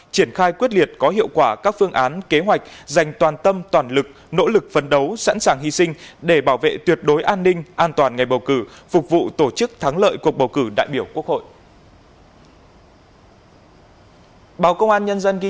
triển khai quyết liệt có hiệu quả các phương án kế hoạch dành toàn tâm toàn lực nỗ lực phấn đấu sẵn sàng hy sinh để bảo vệ tuyệt đối an ninh an toàn ngày bầu cử phục vụ tổ chức thắng lợi cuộc bầu cử đại biểu quốc hội